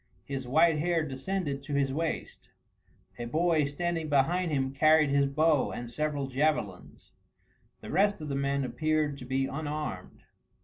His white hair descended to his waist; a boy standing behind him carried his bow and several javelins. The rest of the men appeared to be unarmed.